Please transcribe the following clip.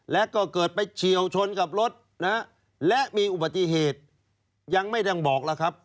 และก็เกิดไปเฉียวชนกับรถนะฮะและมีอุบัติเหตุยังไม่ดังบอกแล้วครับ